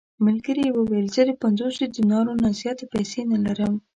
ملګري یې وویل: زه د پنځوسو دینارو نه زیاتې پېسې نه لرم.